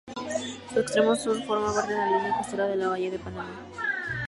Su extremo sur forma parte de la línea costera de la bahía de Panamá.